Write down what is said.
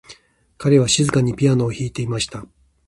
彼は静かにピアノを弾いていました。